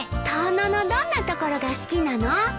遠野のどんなところが好きなの？